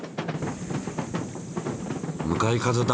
向かい風だ。